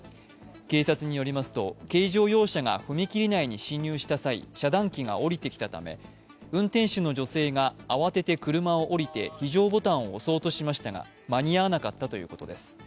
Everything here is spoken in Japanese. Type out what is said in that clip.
警察によりますと軽乗用車が踏切内に進入した際遮断機が下りてきたため運転手の女性が慌てて車を降りて非常ボタンを押そうとしましたが間に合わなかったということです。